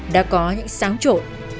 đã có những sáng trội